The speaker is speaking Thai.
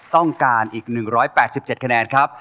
ต้องการอีก๑๘๗คะแนนครับ